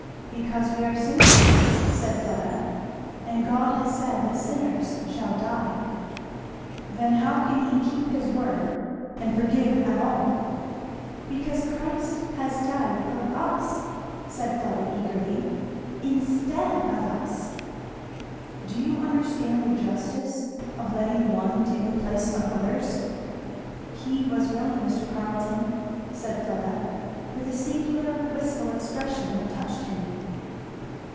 "Because we are sinners," said Fleda, "and God has said that sinners shall die." "Then how can he keep his word and forgive at all?" "Because Christ has died for us," said Fleda eagerly; "instead of us." "Do you understand the justice of letting one take the place of others?" "He was willing, Mr. Carleton," said Fleda, with a singular wistful expression that touched him.